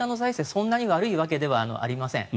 そんなに悪いわけではありません。